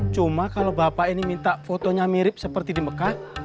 cuma kalau bapak ini minta fotonya mirip seperti di mekah